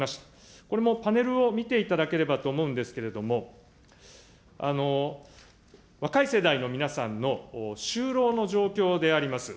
これもパネルを見ていただければと思うんですけれども、若い世代の皆さんの就労の状況であります。